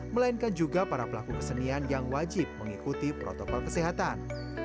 melainkan juga para pelaku kesenian yang wajib mengikuti protokol kesehatan